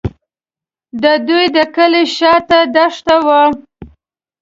د دوی د کلي شاته دښته وه.